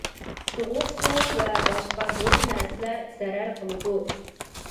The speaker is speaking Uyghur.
سوغۇق سۇ ۋە باشقا ھۆل نەرسىلەر زەرەر قىلىدۇ.